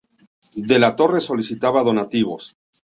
De la Torre solicitaba donativos.